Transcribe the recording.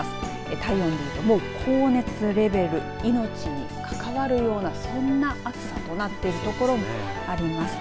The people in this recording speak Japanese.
体温に高熱レベル、命に関わるようなそんな暑さとなっているところもあります。